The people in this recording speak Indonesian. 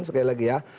sekali lagi ya